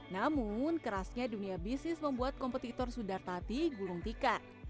namun kerasnya dunia bisnis membuat kompetitor sudartati gulung tikar